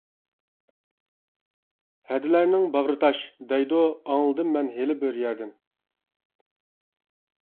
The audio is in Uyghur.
«ھەدىلەرنىڭ باغرى تاش» دەيدۇ ئاڭلىدىم مەن ھېلى بىر يەردىن.